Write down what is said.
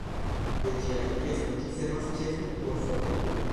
De ĝia ekesto ĝi servas ĉefe por soldatoj.